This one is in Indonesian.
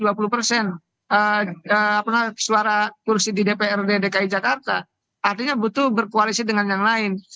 suara kursi di dprd dki jakarta artinya butuh berkoalisi dengan yang lain